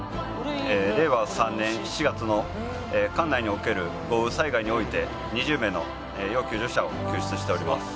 令和３年７月の管内における豪雨災害において２０名の要救助者を救出しております。